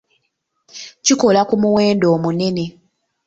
Kikola ku muwendo omunene.